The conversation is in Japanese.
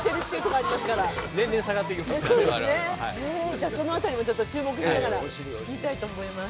じゃあその辺りもちょっと注目しながら見たいと思います。